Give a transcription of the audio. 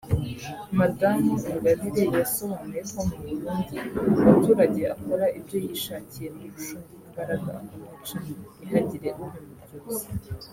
Madamu Ingabire yasobanuye ko mu Burundi umuturage akora ibyo yishakiye urusha undi imbaraga akamwica ntihagire ubimuryoza